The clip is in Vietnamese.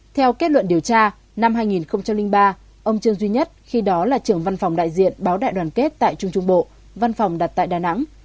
theo kết luận điều tra năm hai nghìn ba ông trương duy nhất khi đó là trưởng văn phòng đại diện báo đại đoàn kết tại trung trung bộ văn phòng đặt tại đà nẵng